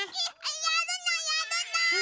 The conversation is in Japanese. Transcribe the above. やるのやるの！